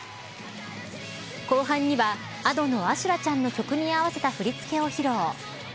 後半にはＡｄｏの阿修羅ちゃんの曲に合わせた振り付けを披露。